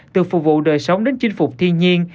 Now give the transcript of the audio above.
từ phục vụ đời sống đến chinh phục thiên nhiên